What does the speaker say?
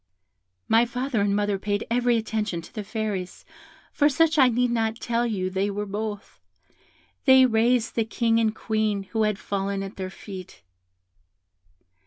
"My father and mother paid every attention to the Fairies, for such I need not tell you they were both. They raised the King and Queen, who had fallen at their feet.